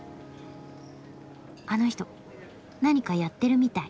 あの人何かやってるみたい。